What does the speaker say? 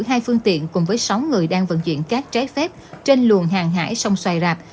hai phương tiện cùng với sáu người đang vận chuyển cát trái phép trên luồng hàng hải sông xoài rạp